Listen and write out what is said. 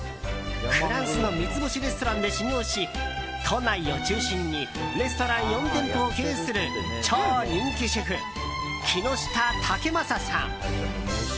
フランスの三つ星レストランで修業し都内を中心にレストラン４店舗を経営する超人気シェフ、木下威征さん。